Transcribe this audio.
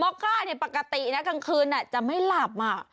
โมะค่าเนี่ยปกตินะกลางคืนจะไม่หลับอะ